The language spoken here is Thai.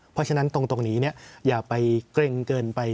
เพราะฉะนั้นตรงนี้อย่าไปเกร็งเกินไป